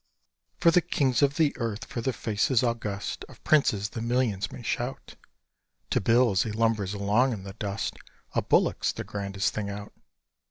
For the kings of the earth, for the faces august Of princes, the millions may shout; To Bill, as he lumbers along in the dust, A bullock's the grandest thing out.